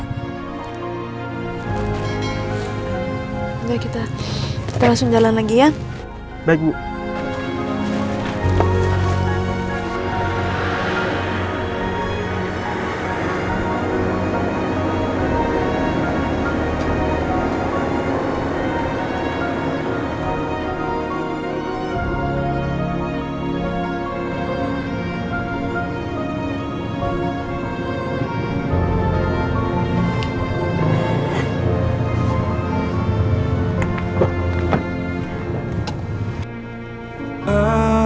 udah kita kita langsung jalan lagi ya